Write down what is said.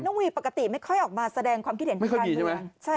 น้องวีปกติไม่ค่อยออกมาแสดงความคิดเห็นทางกลาง